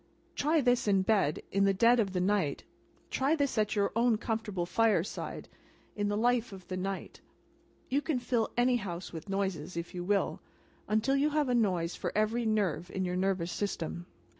Try this in bed, in the dead of the night: try this at your own comfortable fire side, in the life of the night. You can fill any house with noises, if you will, until you have a noise for every nerve in your nervous system.